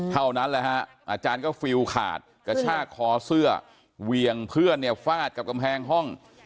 เท่านั้นแหละฮะอาจารย์ก็ฟิลขาดกระชากคอเสื้อเวียงเพื่อนเนี่ยฟาดกับกำแพงห้อง